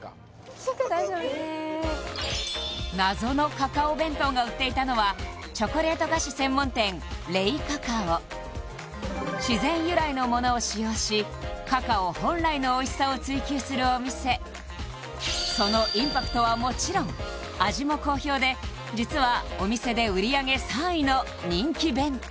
試食大丈夫です謎のカカオ弁当が売っていたのは自然由来のものを使用しカカオ本来のおいしさを追求するお店そのインパクトはもちろん味も好評で実はお店で売り上げ３位の人気弁当